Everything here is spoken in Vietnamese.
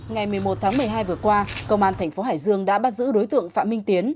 ngày một mươi một tháng một mươi hai vừa qua công an thành phố hải dương đã bắt giữ đối tượng phạm minh tiến